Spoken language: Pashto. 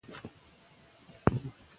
ګورګین د دولت خان سدوزي کورنۍ له منځه یووړه.